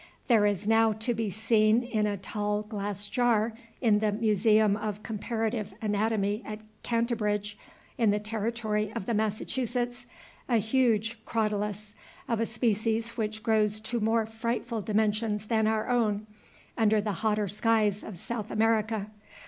There is now to be seen in a tall glass jar, in the Museum of Comparative Anatomy at Cantabridge in the territory of the Massachusetts, a huge crotalus, of a species which grows to more frightful dimensions than our own, under the hotter skies of South America.